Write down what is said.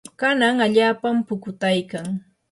kanan allaapam pukutaykan.